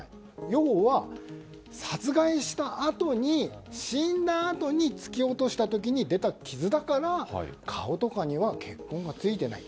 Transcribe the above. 要は、殺害したあとに死んだあとに突き落とした時にできた傷だから顔とかには血痕が付いていない。